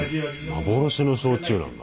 幻の焼酎なんだ。